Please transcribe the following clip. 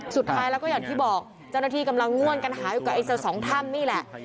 สุดท้ายแล้วก็อย่างที่บอกเจ้าหน้าที่กำลังง่วนกันหาอยู่กับไอ้เจ้าสองถ้ำนี่แหละ